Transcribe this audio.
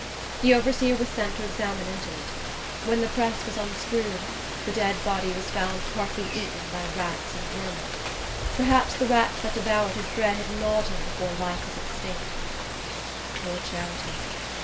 The overseer was sent to examine into it. When the press was unscrewed, the dead body was found partly eaten by rats and vermin. Perhaps the rats that devoured his bread had gnawed him before life was extinct. Poor Charity!